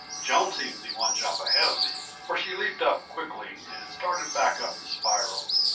Joan seemed to be one jump ahead of me, for she leapt up quickly and started back up the spiral.